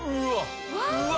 うわ！